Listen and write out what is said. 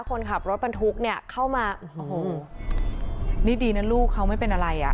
คนขับรถบรรทุกเนี่ยเข้ามาโอ้โหนี่ดีนะลูกเขาไม่เป็นอะไรอ่ะ